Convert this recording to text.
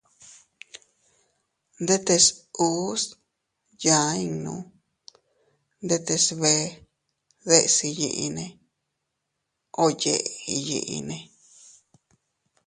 Ndetes uus yaa innu ndetes bee deʼes iyyinne o yeʼe iyinne.